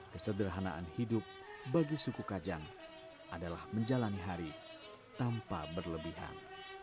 kesederhanaan hidup bagi suku kajang adalah menjalani hari tanpa berlebihan